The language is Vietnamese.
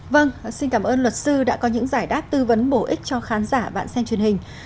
vâng xin cảm ơn luật sư đã có những giải đáp tư vấn bổ ích cho khán giả bạn xem truyền hình